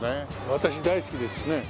私大好きです。